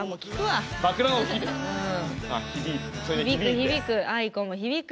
響く響く。